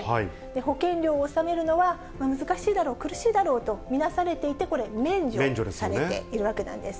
保険料を納めるのは難しいだろう、苦しいだろうとみなされていて、これ、免除されているわけなんです。